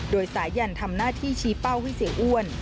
โดยสายันทำหน้าที่ชี้เป้าให้เสียอ้วน